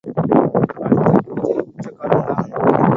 அடுத்த பூஜை உச்சிக் காலம்தான்.